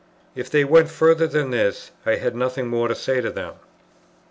If they went further than this, I had nothing more to say to them.